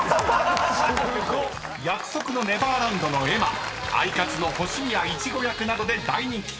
［『約束のネバーランド』のエマ『アイカツ！』の星宮いちご役などで大人気！